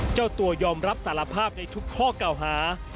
เจ้าตัวยอมรับสารภาพในทุกข้อเก่าหา